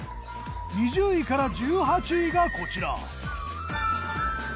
２０位から１８位がこちら。